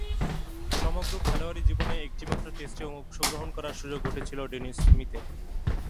সমগ্র খেলোয়াড়ী জীবনে একটিমাত্র টেস্টে অংশগ্রহণ করার সুযোগ ঘটেছিল ডেনিস স্মিথের।